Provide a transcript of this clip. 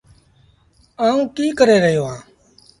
آئوٚنٚ ڪيٚ ڪري رهيو اهآنٚ